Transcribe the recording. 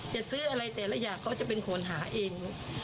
จะซื้ออะไรแต่ละอย่างเขาจะเป็นคนหาเอง